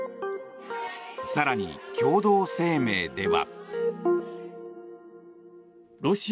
更に、共同声明では。